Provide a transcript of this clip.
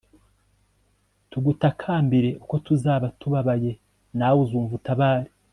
tugutakambire uko tuzaba tubabaye nawe uzumva utabare